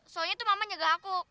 soalnya itu mama nyegah aku